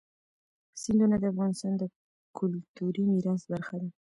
سیندونه د افغانستان د کلتوري میراث برخه ده.